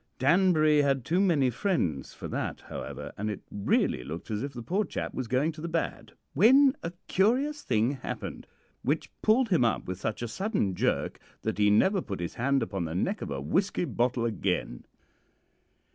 Danbury had too many friends for that, however, and it really looked as if the poor chap was going to the bad, when a very curious thing happened which pulled him up with such a sudden jerk that he never put his hand upon the neck of a whisky bottle again.